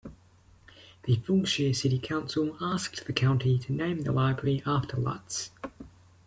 The Fulshear City Council asked the county to name the library after Lutts.